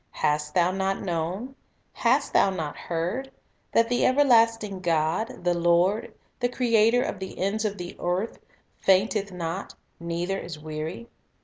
Hast thou not known? hast thou not heard, that the everlasting God, the Lord, the Creator of the ends of the earth, fainteth not, neither is weary?